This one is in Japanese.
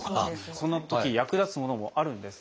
そんなとき役立つのものもあるんです。